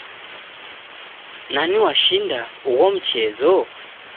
Nani washinda ugho mchezo?